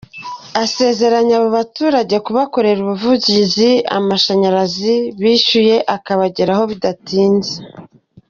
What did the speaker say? Asezeranya abo baturage kubakorera ubuvugizi amashanyarazi bishyuye akabageraho bidatinze.